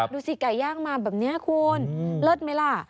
ดูสิไก่ย่างมาแบบนี้คุณเลิศไหมล่ะ